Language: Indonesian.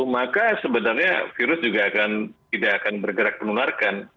maka sebenarnya virus juga tidak akan bergerak